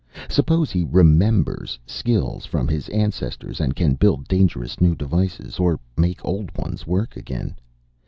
Suppose he 'remembers' skills from his ancestors, and can build dangerous new devices, or make old ones work again?